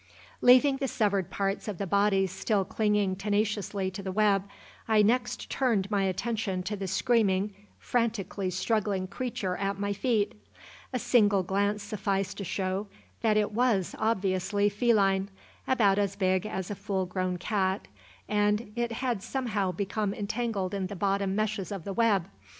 Leaving the severed parts of the body still clinging tenaciously to the web, I next turned my attention to the screaming, frantically struggling creature at my feet. A single glance sufficed to show that it was obviously feline, about as big as a full grown cat; and it had somehow become entangled in the bottom meshes of the web.